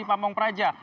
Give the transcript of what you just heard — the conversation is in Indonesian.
di pampung praja